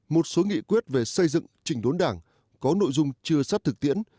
một số nghị quyết về xây dựng trình đốn đảng có nội dung chưa sát thực tiễn